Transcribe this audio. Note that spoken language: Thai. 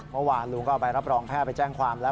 เมื่อวานลุงก็เอาไปรับรองแพทย์ไปแจ้งความแล้ว